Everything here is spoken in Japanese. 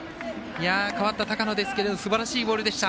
変わった高野ですがすばらしいボールでした。